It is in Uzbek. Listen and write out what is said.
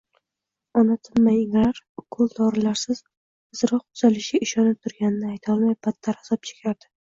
Ona tinmay ingrar, ukol-dorilarsiz tezroq tuzalishiga ishonib turganini aytolmay battar azob chekardi